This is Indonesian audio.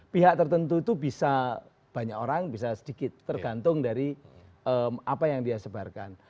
pihak tertentu itu bisa banyak orang bisa sedikit tergantung dari apa yang dia sebarkan